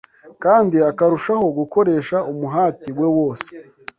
kandi akarushaho gukoresha umuhati we wose